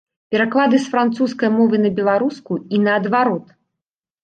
Пераклады з французскай мовы на беларускую і наадварот.